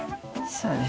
そうです。